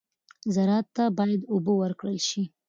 زراعت ته باید اوبه ورکړل شي.